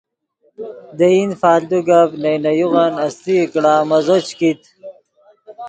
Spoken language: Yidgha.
دے ایند فالتو گپ نئے نے یوغن استئی کڑا مزو چے کیت